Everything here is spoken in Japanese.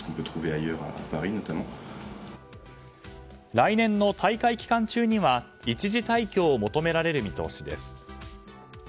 来年の大会期間中には一時退去を求められる見通しです。